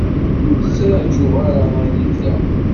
Ur ttṛaǧuɣ ara i lebda.